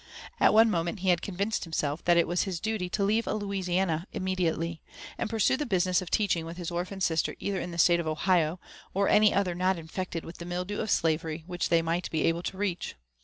At one moment he had convinced himself that it was his duty to leave Louisiana immediately, and pursue the business of teaching with his orphan sister either in the State of Ohio, or any other not infected with the mildew of slavery which they might be able to reach.